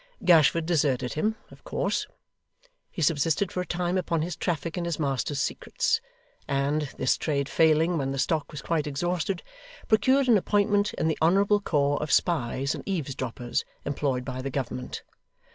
Gashford deserted him, of course. He subsisted for a time upon his traffic in his master's secrets; and, this trade failing when the stock was quite exhausted, procured an appointment in the honourable corps of spies and eavesdroppers employed by the government.